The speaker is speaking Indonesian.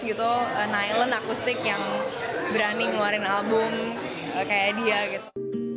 gitu nisland akustik yang berani ngeluarin album kayak dia gitu